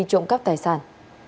trộm cắp tài sản